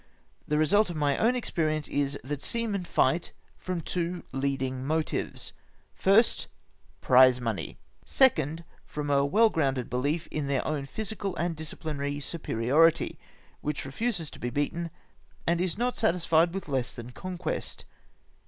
The result of my own experience is, that seamen fight from two leading motives : 1st. Prize money ; 2nd. From a well grounded behef in then own physical and disciphnary superiority, wliich refuses to be beaten, and is not satisfied with less than conquest.